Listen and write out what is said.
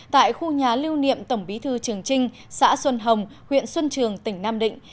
tại khu nhà lưu niệm tổng bí thư trường trinh xã xuân hồng huyện xuân trường tỉnh nam định